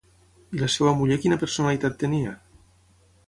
I la seva muller quina personalitat tenia?